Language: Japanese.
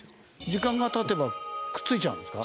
時間が経てばくっついちゃうんですか？